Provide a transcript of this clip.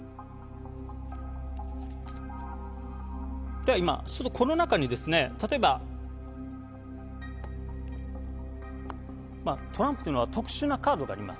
では今、この中にですね、例えばトランプというのは特殊なカードがあります。